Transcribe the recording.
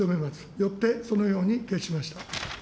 よってそのように決しました。